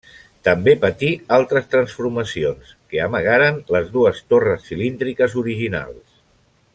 També patí altres transformacions, que amagaren les dues torres cilíndriques originals.